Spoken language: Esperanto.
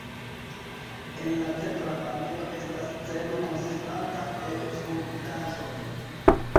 En la centra panelo estas sceno konsistanta el skulptaĵoj.